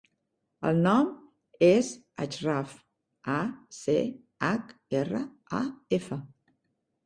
El nom és Achraf: a, ce, hac, erra, a, efa.